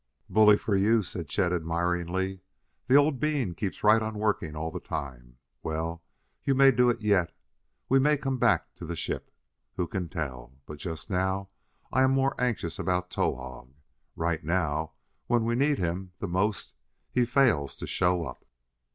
"Bully for you," said Chet admiringly; "the old bean keeps right on working all the time. Well, you may do it yet; we may come back to the ship. Who can tell? But just now I am more anxious about Towahg. Right now, when we need him the most, he fails to show up."